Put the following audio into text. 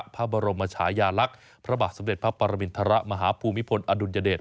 พระบรมชายาลักษณ์พระบาทสมเด็จพระปรมินทรมาฮภูมิพลอดุลยเดช